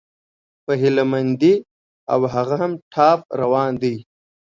په هيله مندي، او هغه هم ټاپ روان دى